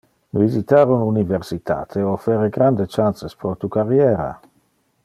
Visitar un universitate offere grande chances pro tu carriera.